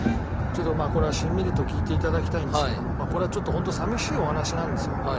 ちょっとこれはしんみりと聞いて頂きたいんですけどもこれはちょっとホント寂しいお話なんですよ。